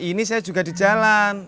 ini saya juga di jalan